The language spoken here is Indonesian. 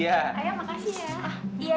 ayah makasih ya